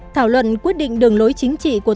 thảo luận quyết định đường lối chính trị của tổ chức đảng